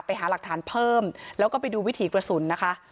ไปหาหลักฐานเพิ่มแล้วก็ไปดูวิถีกระสุนนะคะ